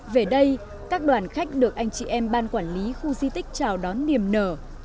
về đây các đoàn khách được anh chị em ban quản lý khu di tích chào đón niềm nở